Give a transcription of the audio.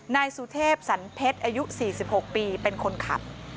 นายสุเทพสันเพชรอายุ๔๖ปีเป็นคนขับ